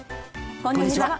こんにちは。